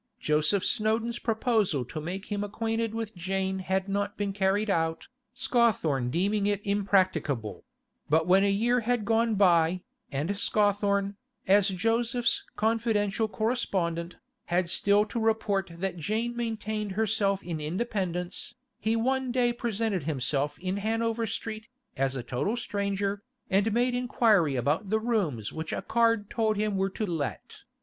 Joseph Snowdon's proposal to make him acquainted with Jane had not been carried out, Scawthorne deeming it impracticable; but when a year had gone by, and Scawthorne, as Joseph's confidential correspondent, had still to report that Jane maintained herself in independence, he one day presented himself in Hanover Street, as a total stranger, and made inquiry about the rooms which a card told him were to let.